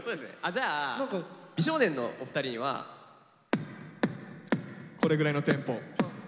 じゃあ美少年のお二人には。これぐらいのテンポ。